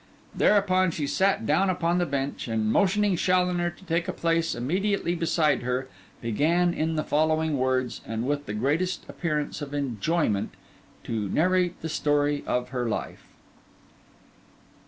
Thereupon she sat down upon the bench, and motioning Challoner to take a place immediately beside her, began in the following words, and with the greatest appearance of enjoyment, to narrate the story of her life.